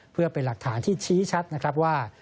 เพื่อเป็นหลักฐานที่ชี้ชัดว่า